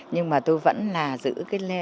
nhưng mà tôi vẫn là giữ cái lưu truyền từ xưa đến giờ